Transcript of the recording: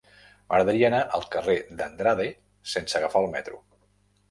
M'agradaria anar al carrer d'Andrade sense agafar el metro.